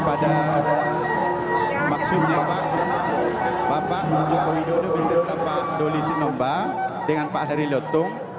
pada maksudnya pa bapak jokowi dodo berserta pak doly sinomba dengan pak découvrir